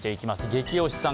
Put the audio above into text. ゲキ推しさん。